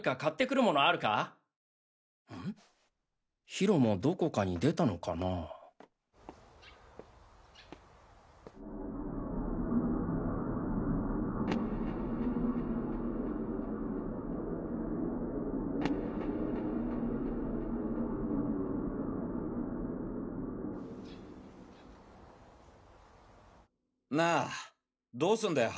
ヒロもどこかに出たのかな？なぁどうすんだよ